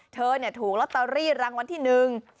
เธอถูกลอตเตอรี่รางวัลที่หนึ่ง